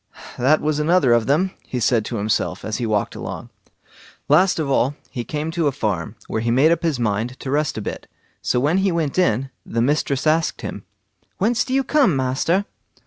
"That was another of them", he said to himself, as he walked along. Last of all, he came to a farm, where he made up his mind to rest a bit. So when he went in, the mistress asked him: "Whence do you come, master?"